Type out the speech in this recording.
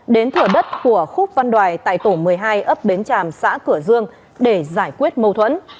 đến thửa đất của khúc văn đoài tại tổ một mươi hai ấp bến tràm xã cửa dương để giải quyết mâu thuẫn